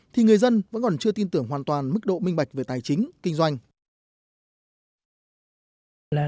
thì người dân vẫn còn chưa tin tưởng hoàn toàn mức độ minh bạch về tài chính kinh doanh